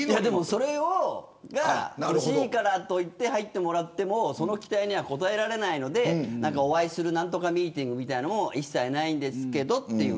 それが欲しいからといって入ってもらってもその期待には応えられないのでお会いするミーティングみたいなのも一切ないんですけどって。